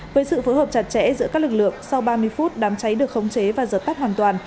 với sự phối hợp chặt chẽ giữa các lực lượng sau ba mươi phút đám cháy được khống chế và dập tắt hoàn toàn